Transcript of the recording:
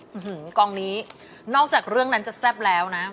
อื้อฮือกล้องนี้นอกจากเรื่องนั้นจะแซ่บแล้วนะ